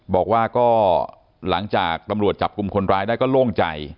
บอกว่าก็หลังจากตำรวจจับกลุ่มคนร้ายได้ก็โล่งใจ